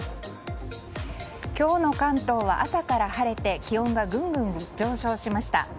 今日の関東は朝から晴れて気温がぐんぐん上昇しました。